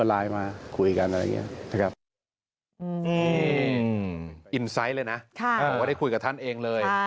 ไม่อยากจะสร้างให้มันเกิดความขัดแย้ง